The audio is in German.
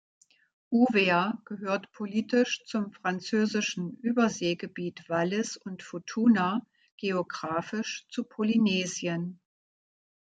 Uvea gehört politisch zum französischen Überseegebiet Wallis und Futuna, geographisch zu Polynesien.